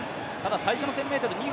最初の１０００ｍ２